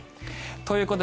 ということで